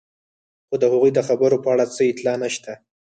خو د هغوی د خبرو په اړه څه اطلاع نشته.